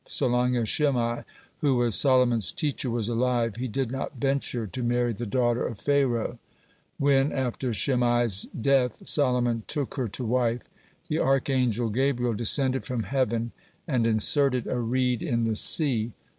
So long as Shimei, who was Solomon's teacher, was alive, he did not venture to marry the daughter of Pharaoh. When, after Shimei's death, Solomon took her to wife, the archangel Gabriel descended from heaven, and inserted a reed in the sea.